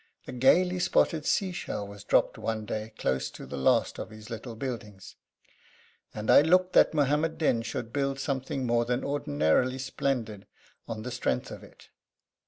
A gaily spotted sea shell was dropped one day close to the last of his little buildings; and I looked that Muhammad Din should build something more than ordinarily splendid on the strength of it.